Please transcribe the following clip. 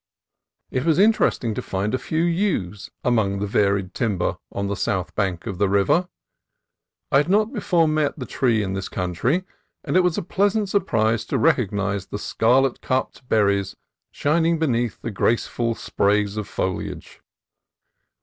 It was interesting to find a few yews among the varied timber on the south bank of the river. I had not before met the tree in this country, and it was a pleasant surprise to recognize the scarlet cupped berries shining beneath the graceful sprays of foliage.